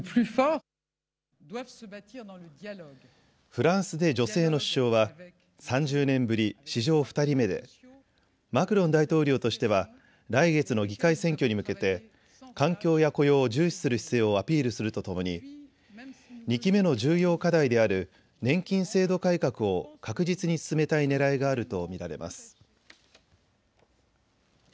フランスで女性の首相は３０年ぶり史上２人目でマクロン大統領としては来月の議会選挙に向けて環境や雇用を重視する姿勢をアピールするとともに２期目の重要課題である年金制度改革を確実に進めたいねらいがあると見られます。